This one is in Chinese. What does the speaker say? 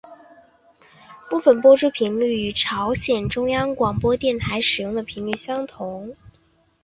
部分播出频率与朝鲜中央广播电台使用的频率相同。